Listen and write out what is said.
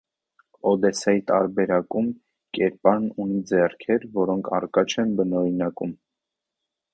Օդեսայի տարբերակում կերպարն ունի ձեռքեր, որոնք առկա չեն բնօրինակում։